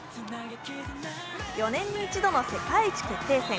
４年１度の世界一決定戦。